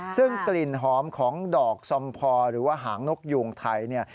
ซึ่งกลิ่นหอมของดอกซอมพอหรือว่าหางนกยูงไทยเนี่ย